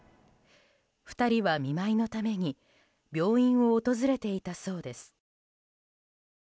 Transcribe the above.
２人は見舞いのために病院を訪れていたそうです。